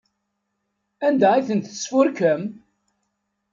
Anda ay ten-tesfurkem?